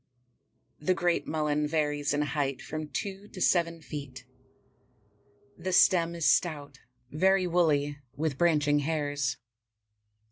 The Great Mullen varies in height from two to seven feet. The stem is stout, very woolly, with branching hairs.